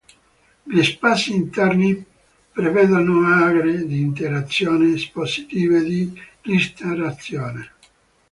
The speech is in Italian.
Gli spazi interni prevedono aree di interazione, espositive, di ristorazione.